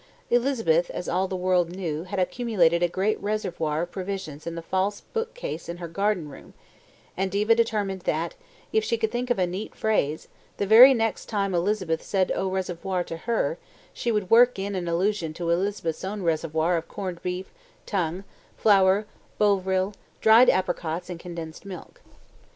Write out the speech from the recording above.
Elizabeth, as all the world knew, had accumulated a great reservoir of provisions in the false book case in her garden room, and Diva determined that, if she could think of a neat phrase, the very next time Elizabeth said au reservoir to her, she would work in an allusion to Elizabeth's own reservoir of corned beef, tongue, flour, Bovril, dried apricots and condensed milk.